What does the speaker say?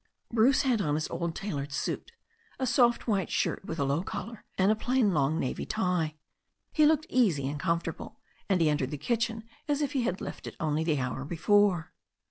Bruce had on his old tailored suit, a soft white shirt with a low collar, and a plain long navy tie. He looked easy and comfortable, and he entered the kitchen as if he had left it only the hour before.